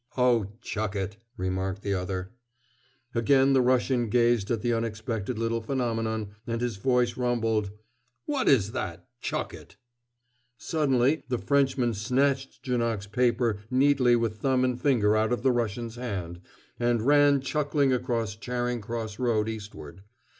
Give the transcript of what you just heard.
"Oh, chuck it!" remarked the other. Again the Russian gazed at the unexpected little phenomenon, and his voice rumbled: "What is that 'chuck it'?" Suddenly the Frenchman snatched Janoc's paper neatly with thumb and finger out of the Russian's hand, and ran chuckling across Charing Cross Road eastward.